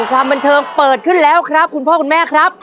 ความบันเทิงเปิดขึ้นแล้วครับคุณพ่อคุณแม่ครับ